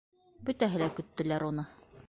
Бөтәһе лә көттөләр уны.